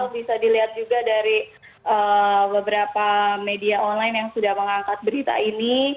bisa dilihat juga dari beberapa media online yang sudah mengangkat berita ini